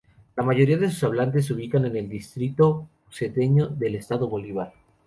La mayoría de sus hablantes se ubican en el distrito Cedeño del Estado Bolívar.